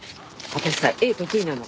私さ絵得意なの。